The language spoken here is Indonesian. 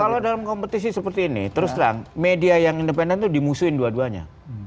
kalau dalam kompetisi seperti ini terus terang media yang independen itu dimusuhin dua duanya